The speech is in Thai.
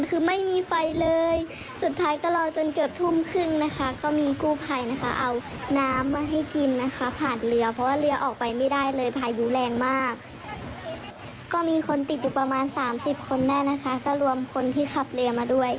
ก็มีคนติดอยู่ประมาณสามสิบคนแน่นะคะก็รวมคนที่ขับเรียนมาด้วย